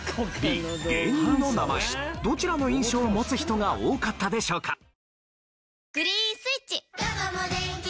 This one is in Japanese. どちらの印象を持つ人が多かったでしょうか？